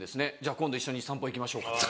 今度一緒に散歩行きましょうか」。